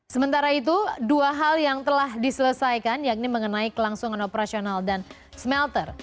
sementara itu dua hal yang telah diselesaikan yakni mengenai kelangsungan operasional dan smelter